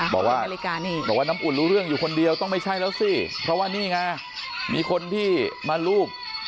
บอกว่าน้ำอุ่นรู้เรื่องอยู่คนเดียวต้องไม่ใช่แล้วสิเพราะว่านี่ไงมีคนที่มารูป